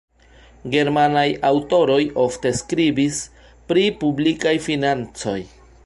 Germanaj aŭtoroj ofte skribis pri publikaj financoj.